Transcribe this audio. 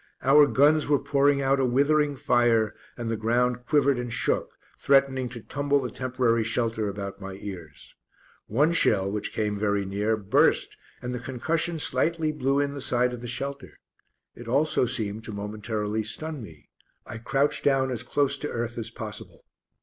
Our guns were pouring out a withering fire, and the ground quivered and shook, threatening to tumble the temporary shelter about my ears. One shell, which came very near, burst and the concussion slightly blew in the side of the shelter; it also seemed to momentarily stun me; I crouched down as close to earth as possible.